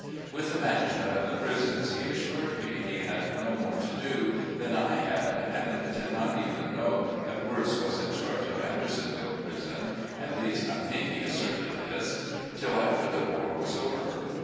With the management of the prisons he assured me he had no more to do than I had, and did not even know that Wirz was in charge of Andersonville prison (at least, I think he asserted this) till after the war was over.